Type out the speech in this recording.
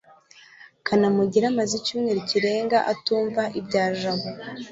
kanamugire amaze icyumweru kirenga atumva ibya jabo